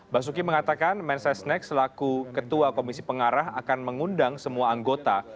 basuki mengatakan mensesnek selaku ketua komisi pengarah akan mengundang semua anggota